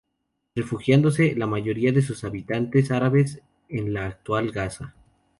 Refugiándose la mayoría de sus habitantes árabes en la actual Gaza.